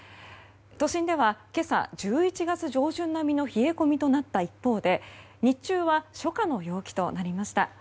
都心では今朝、１１月上旬並みの冷え込みとなった一方で日中は初夏の陽気となりました。